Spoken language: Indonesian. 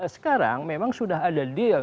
sekarang memang sudah ada deal